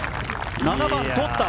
７番とった。